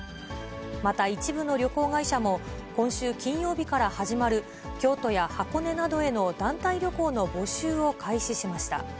また、一部の旅行会社も、今週金曜日から始まる京都や箱根などへの団体旅行の募集を開始しました。